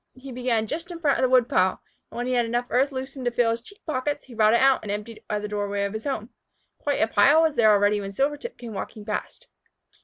He began just in front of the woodpile, and when he had enough earth loosened to fill his cheek pockets, he brought it out and emptied it by the doorway of his burrow. Quite a pile was there already when Silvertip came walking past.